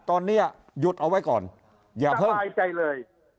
ตอนนี้ยึดเอาไว้ก่อนจะความสบายใจเลย